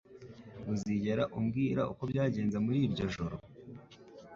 Uzigera umbwira uko byagenze muri iryo joro?